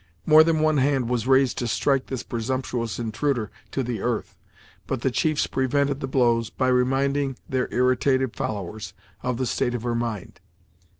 More than one hand was raised to strike this presumptuous intruder to the earth, but the chiefs prevented the blows, by reminding their irritated followers of the state of her mind.